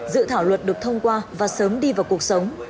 dự thảo luật được thông qua và sớm đi vào cuộc sống